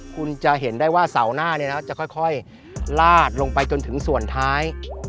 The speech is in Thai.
คุณจะเห็นได้ว่าเสาหน้าจะค่อยลาดลงไปจนถึงส่วนท้าย